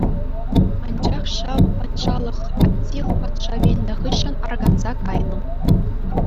Анчах ҫав патшалӑх Аттил патша вилнӗ хыҫҫӑн арканса кайнӑ.